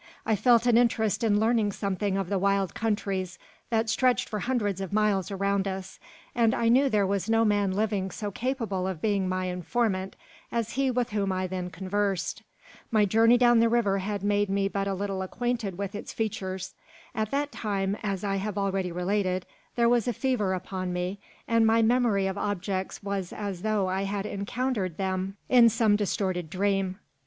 I felt an interest in learning something of the wild countries that stretched for hundreds of miles around us; and I knew there was no man living so capable of being my informant as he with whom I then conversed. My journey down the river had made me but little acquainted with its features. At that time, as I have already related, there was fever upon me; and my memory of objects was as though I had encountered them in some distorted dream.